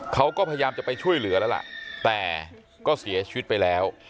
เขาก็พยายามจะไปช่วยเหลือแล้วล่ะแต่ก็เสียชีวิตไปแล้ว